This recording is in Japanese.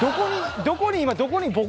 どこにどこに？